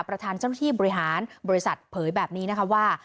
เจ้าหน้าที่บริหารบริษัทเผยแบบนี้นะคะว่า